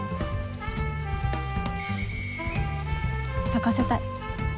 咲かせたい。